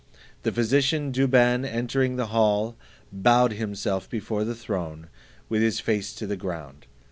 The physician Douban entering the hall, bowed himself before the throne, with his face to the ground.